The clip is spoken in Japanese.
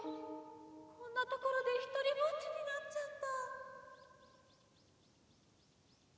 こんなところでひとりぼっちになっちゃった。